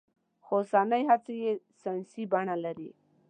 خو اوسنۍ هڅې يې ساينسي بڼه لري.